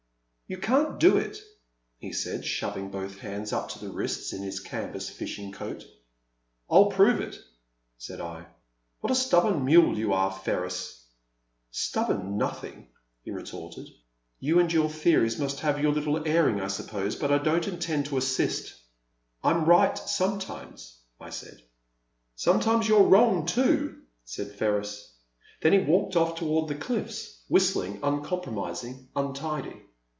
You can't do it," he said, shoving both hands up to the wrists in his canvas fishing coat. I'll prove it/' said I. What a stubborn mule you are, Ferris !*'Stubborn nothing,*' he retorted, you and your theories must have your little airing, I sup pose, but I don't intend to assist." I *m right sometimes," I said. Sometimes you * re wrong, too," said Ferris. Then he walked oflF toward the cliflFs, whis tling, uncompromising, untidy.